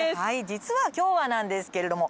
実は今日はなんですけれども。